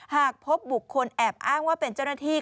หากพบบุคคลแอบอ้างว่าเป็นเจ้าหน้าที่